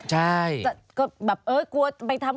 กลัวไปทำความผิดอะไร